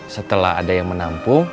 setelah ada yang menampung